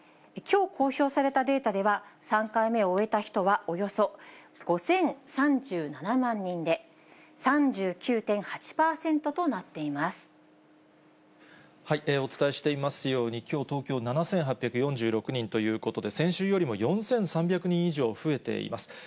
きょう公表されたデータでは、３回目を終えた人は、およそ５０３７万人で、お伝えしていますように、きょう、東京７８４６人ということで、先週よりも４３００人以上増えています。